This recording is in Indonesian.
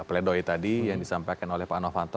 pledoi tadi yang disampaikan oleh pak novanto